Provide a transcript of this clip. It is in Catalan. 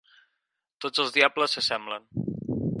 Tots els diables s'assemblen.